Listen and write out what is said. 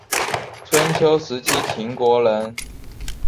春秋时期秦国人。